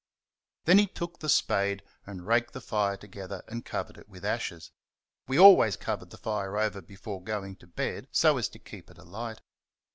Then he took the spade and raked the fire together and covered it with ashes we always covered the fire over before going to bed so as to keep it alight.